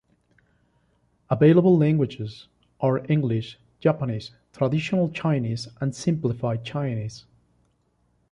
Available languages are English, Japanese, Traditional Chinese and Simplified Chinese.